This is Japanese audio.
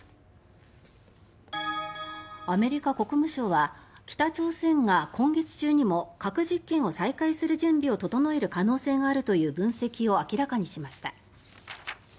アメリカ国務省は北朝鮮が今月中にも核実験を再開する準備を整える可能性があるという分析を明らかにしました。